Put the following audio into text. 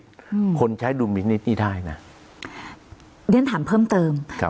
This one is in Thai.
อืมคนใช้ดุลมินิตตี้ได้น่ะเรียนถามเพิ่มเติมครับ